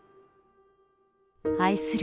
愛する